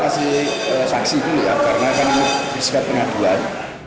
masih saksi dulu ya karena kan ini disikap pengaduan